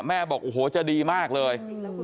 บอกโอ้โหจะดีมากเลย